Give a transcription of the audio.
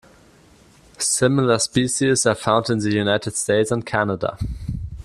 Similar species are found in the United States and Canada.